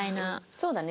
そうだね。